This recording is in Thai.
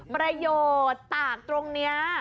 ประโยชน์ตากตรงนี้